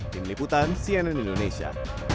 tim liputan cnn indonesia